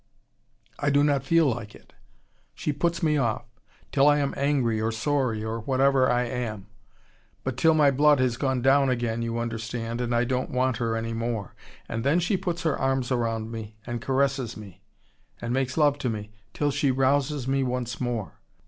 I do not feel like it. She puts me off till I am angry or sorry or whatever I am but till my blood has gone down again, you understand, and I don't want her any more. And then she puts her arms round me, and caresses me, and makes love to me till she rouses me once more.